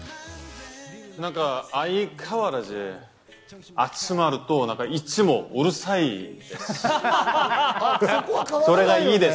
相変わらず、集まるといつもうるさいです。